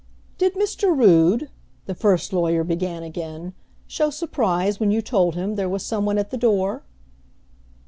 "Did Mr. Rood," the first lawyer began again, "show surprise when you told him there was some one at the door?"